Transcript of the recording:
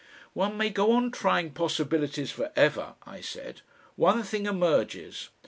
"One may go on trying possibilities for ever," I said. "One thing emerges.